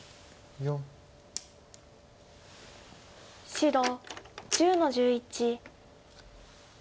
白１０の十一。